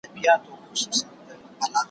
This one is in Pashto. ناړي چي تو سي، بيرته نه اخيستلي کېږي.